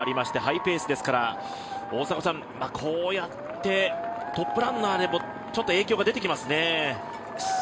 かなりのペース変動もありましてハイペースですからこうやってトップランナーでも影響が出てきますね。